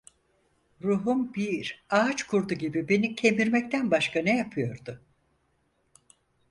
Ruhum, bir ağaç kurdu gibi beni kemirmekten başka ne yapıyordu?